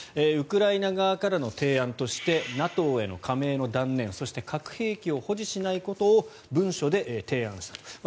ウクライナ側からの提案としてＮＡＴＯへの加盟の断念そして核兵器を保持しないことを文書で提案したと。